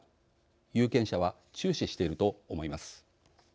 有権者は注視していると思います。